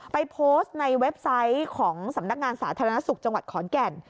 ไปโพสต์ในเว็บไซต์ของสำนักงานสาธารณสุขจังหวัดขอนแก่น